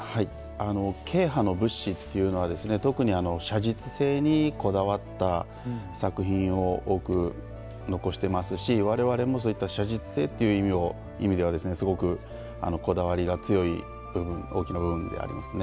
慶派の仏師というのは特に写実性にこだわった作品を多く残してますし我々もそういった写実性という意味ではすごくこだわりが強い部分大きな部分でありますね。